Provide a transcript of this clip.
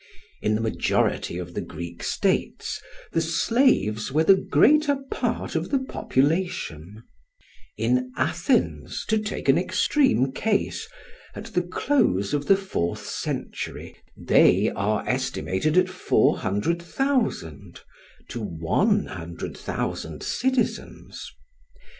In the majority of the Greek states the slaves were the greater part of the population; in Athens, to take an extreme case, at the close of the fourth century, they are estimated at 400,000, to 100,000 citizens.